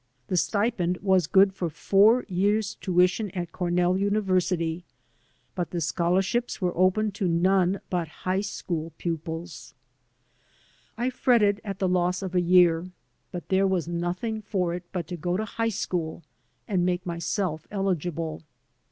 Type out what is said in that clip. The stipend was good for four years* tuition at Cornell University, but the scholarships were open to none but high school 181 AN AMERICAN IN THE MAKING pupils. I fretted at the loss of a year, but there was nothing for it but to go to high school and make myself eligible.